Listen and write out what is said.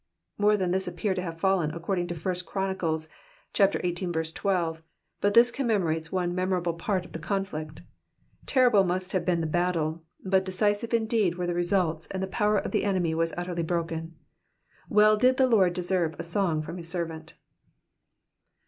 More than this appear to have fallen ao cording to 1 Ghron. xviii. 12, but this commemorates one memorable part of the conflict Terrible must have been the baMle, but decisive indeed were the results, and the power of the enemy was utterly broken. Well did the Lord deserve a song from his servant.